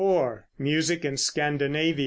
MUSIC IN SCANDINAVIA.